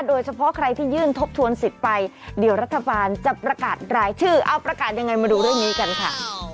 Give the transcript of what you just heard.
โดยเฉพาะใครที่ยื่นทบทวนสิทธิ์ไปเดี๋ยวรัฐบาลจะประกาศรายชื่อเอาประกาศยังไงมาดูเรื่องนี้กันค่ะ